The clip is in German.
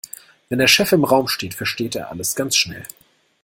Wenn der Chef im Raum steht, versteht er alles ganz schnell.